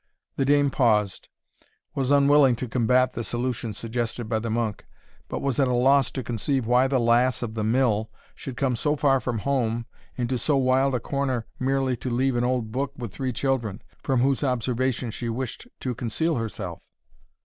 The dame paused was unwilling to combat the solution suggested by the monk but was at a loss to conceive why the lass of the mill should come so far from home into so wild a corner merely to leave an old book with three children, from whose observation she wished to conceal herself.